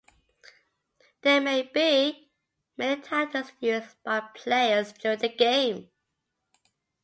There may be many titles used by players during the game.